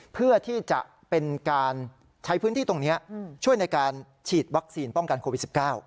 เพื่อที่จะเป็นการใช้พื้นที่ตรงนี้ช่วยในการฉีดวัคซีนป้องกันโควิด๑๙